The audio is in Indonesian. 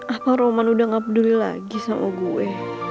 apa roman udah gak peduli lagi sama gue